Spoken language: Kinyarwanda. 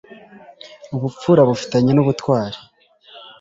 ubupfura bufitanye n'ubutwari